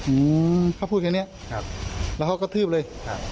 อืมเขาพูดแบบนี้แล้วเขาก็ตื้บเลย